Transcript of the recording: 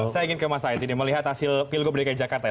saya ingin ke mas said ini melihat hasil pilgub dki jakarta ya